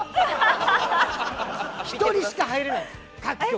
１人しか入れないんです各局。